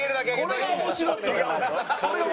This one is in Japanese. これが面白いのよ。